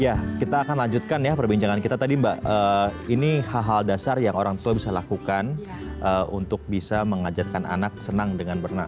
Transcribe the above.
ya kita akan lanjutkan ya perbincangan kita tadi mbak ini hal hal dasar yang orang tua bisa lakukan untuk bisa mengajarkan anak senang dengan berenang